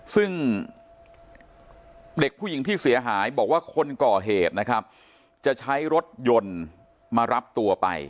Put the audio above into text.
ซึ่งเด็กผู้หญิงที่เสียหายบอกว่าคนก่อเหตุนะครับจะใช้รถยนต์มารับตัวไป